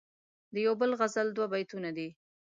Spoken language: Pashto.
دیو بل غزل دوه بیتونه دي..